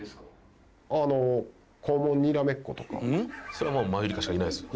それはもうマユリカしかいないです。